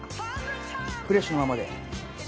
フレッシュのままで。